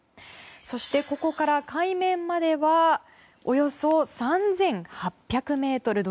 そして、ここから海面まではおよそ３８００ｍ。